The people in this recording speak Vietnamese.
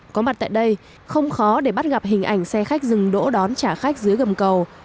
có mặt tại đây không khó để bắt gặp hình ảnh xe khách dừng đỗ đón trả khách dưới gầm cầu